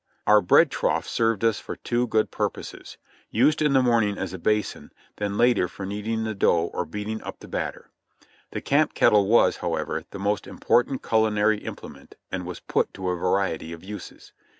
Our bread trough served us for two good purposes — used in the morning as a basin, then later for kneading the dough or beating up batter. The camp kettle was, however, the most im portant culinary implement and was put to a variety of uses.